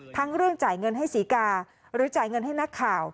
เรื่องจ่ายเงินให้ศรีกาหรือจ่ายเงินให้นักข่าว